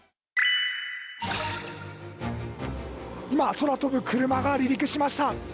今、空飛ぶ車が離陸しました。